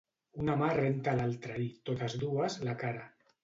Una mà renta l'altra i, totes dues, la cara.